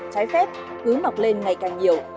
trái phép cứ mọc lên ngày càng nhiều